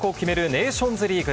ネーションズリーグ。